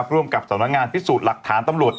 ร่วมกับสำนักงานพิสูจน์หลักฐานตำรวจ